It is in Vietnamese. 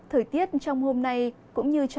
thời tiết trong hôm nay cũng như thế nào